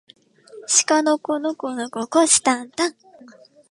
しかのこのこのここしたんたん